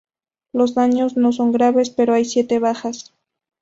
Los daños no son graves, pero hay siete bajas.